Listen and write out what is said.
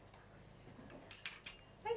はい。